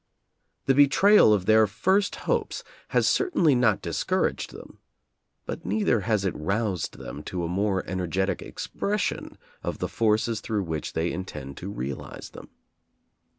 The be trayal of their first hopes has certainly not dis couraged them. But neither has it roused them to a more energetic expression of the forces through which they intend to realize them.